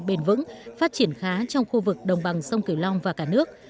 bền vững phát triển khá trong khu vực đồng bằng sông kiều long và cả nước